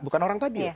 bukan orang tadi